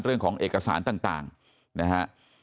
เรื่องของเอกสารต่างนะฮะ